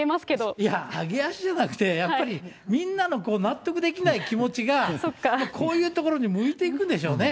いや、上げ足じゃなくて、やっぱりみんなの納得できない気持ちが、こういうところに向いていくんでしょうね。